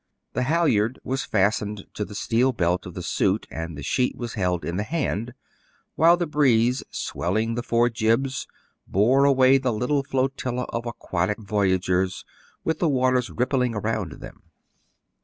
The halyard was fastened to the steel belt of the suit, and the sheet was held in the hand; while the breeze, swelling the four jibs, bore away the little flotilla of aquatic voyagers with the waters rippling around them.